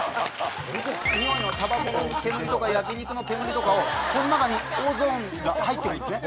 においのたばこの煙とか焼き肉の煙とかをこの中にオゾンが入ってくるんですね。